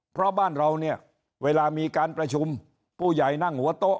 เพราะบ้านเราเนี่ยเวลามีการประชุมผู้ใหญ่นั่งหัวโต๊ะ